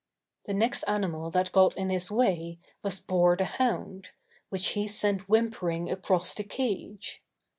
The next animal that got in his way was Boar the Hound, which he sent whimpering across the cage.